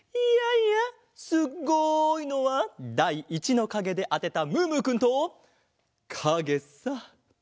いやいや「すごい！」のはだい１のかげであてたムームーくんとかげさ！